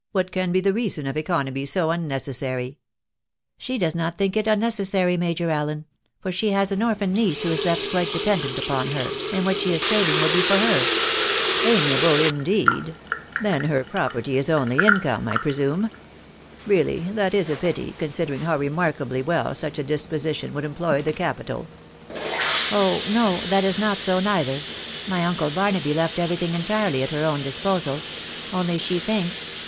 what can be the reason of economy so unnecessary? (C $he does not think 4t unnecessary, Major Allen ; for she has an orphan niece who is teftumite depemoeirt >upan her, and what she is saving will he for her/' Amiable indeed !.... *Fhen; her property is only inoome, ptwume ? EeaMy that is a pity, considering ham vsaxtttafrfoi ell such a disposition would employ the cautatV' 172 " Oh : no, that is not so neither ; my nude Hainahj kftl everything entirely at her own disposal; only she thinn/ ....